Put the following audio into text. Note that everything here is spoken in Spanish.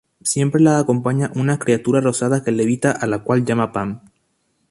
Siempre la acompaña una criatura rosada que levita a la cual llama Pam.